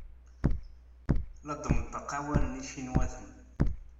La d-neṭṭqeɣ awalen icinwaten.